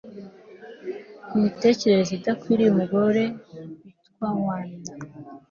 imitekerereze idakwiriye mugore witwa wanda